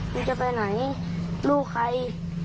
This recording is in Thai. มึงจะไปไหนรู้ใคร